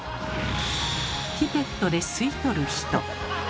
ピペットで吸い取る人。